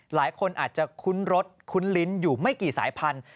หลายคนอาจจะคุ้นรสคุ้นลิ้นอยู่ไม่กี่สายพันธุ